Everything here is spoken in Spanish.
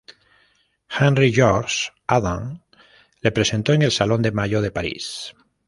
Henri-Georges Adam le presentó en el salón de mayo de París.